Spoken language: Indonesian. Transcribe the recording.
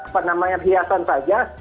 penamanya hiasan saja